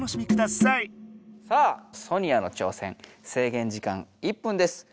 さあソニアの挑戦制限時間１分です。